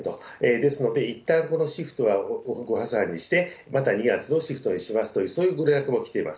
ですので、いったんこのシフトはご破算にして、また２月のシフトにしますと、そういうもきています。